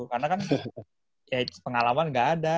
karena kan pengalaman gak ada